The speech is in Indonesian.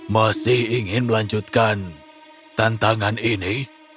masih ingin melanjutkan tantangan ini